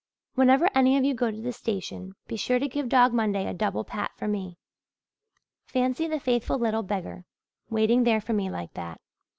"Whenever any of you go to the station be sure to give Dog Monday a double pat for me. Fancy the faithful little beggar waiting there for me like that!